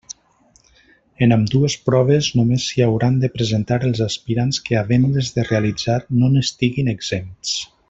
En ambdues proves només s'hi hauran de presentar els aspirants que havent-les de realitzar no n'estiguin exempts.